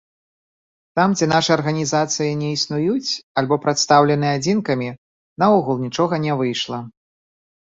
Там, дзе нашы арганізацыі не існуюць альбо прадстаўлены адзінкамі, наогул нічога не выйшла.